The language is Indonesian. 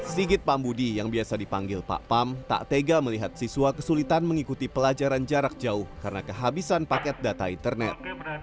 sigit pambudi yang biasa dipanggil pak pam tak tega melihat siswa kesulitan mengikuti pelajaran jarak jauh karena kehabisan paket data internet